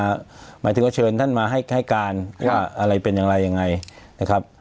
หมายถึงว่าเชิญท่านมาให้การว่าอะไรเป็นอย่างไรยังไงนะครับ